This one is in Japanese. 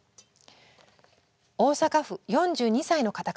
大阪府４２歳の方から。